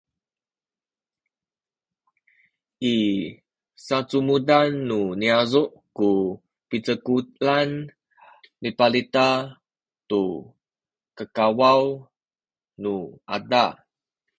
i sacumudan nu niyazu’ ku picekulan mipalita tu kakawaw nu ada